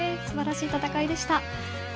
素晴らしい戦いでした。